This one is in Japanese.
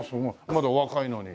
まだお若いのに。